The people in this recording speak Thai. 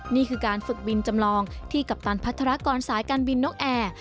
นี่คือการฝึกบินจำลองที่กัปตันพัฒนากรสายการบินนกแอร์